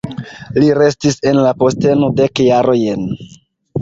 Li restis en la posteno dek jarojn.